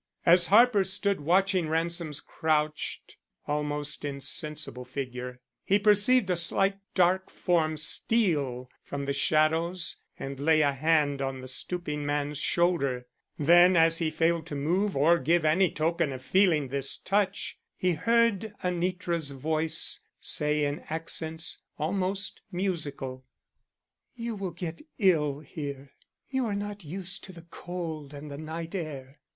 As Harper stood watching Ransom's crouched, almost insensible figure, he perceived a slight dark form steal from the shadows and lay a hand on the stooping man's shoulder, then as he failed to move or give any token of feeling this touch, he heard Anitra's voice say in accents almost musical: "You will get ill here; you are not used to the cold and the night air.